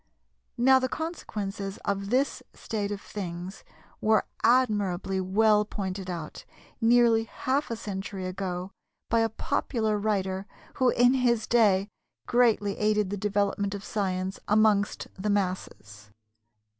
Now the consequences of this state of things were admirably well pointed out nearly half a century ago by a popular writer, who in his day greatly aided the development of science amongst the masses.